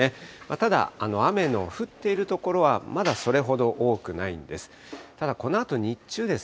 ただ、雨の降っている所はまだそれほど多くないんです。